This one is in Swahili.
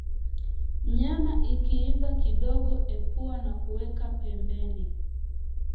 Nyama ikiiva kidogo ipua na kuweka pembeni